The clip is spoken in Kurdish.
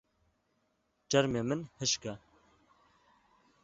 Çermê min hişk e.